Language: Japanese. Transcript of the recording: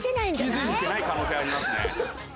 気づいてない可能性ありますね